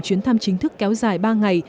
chuyến thăm chính thức kéo dài ba ngày